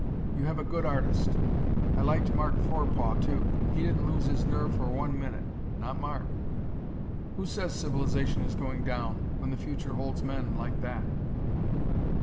You have a good artist. I liked Mark Forepaugh, too. He didn't lose his nerve for one minute not Mark. Who says civilization is going down, when the future holds men like that?